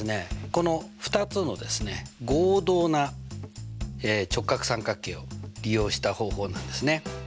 この２つの合同な直角三角形を利用した方法なんですね。